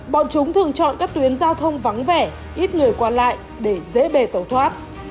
bọn chúng thường chọn các tuyến giao thông vắng vẻ ít người qua lại để dễ bề tẩu thoát